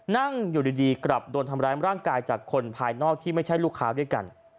นั่งอยู่ดีกลับโดนทำร้ายร่างกายจากคนภายนอกที่ไม่ใช่ลูกค้าด้วยกัน